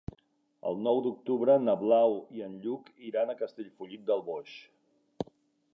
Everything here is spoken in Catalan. El nou d'octubre na Blau i en Lluc iran a Castellfollit del Boix.